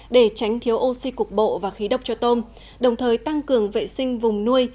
để tránh thiếu oxy cục bộ và khí độc cho tôm đồng thời tăng cường vệ sinh vùng nuôi